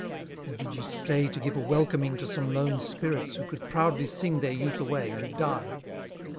Or did ye stay to give a welcoming To some lone spirits who could proudly sing Their youth away, and die?